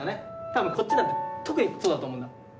多分こっちだと特にそうだと思うんだ。